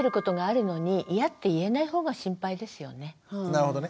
なるほどね。